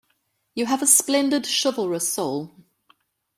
You have a splendid, chivalrous soul.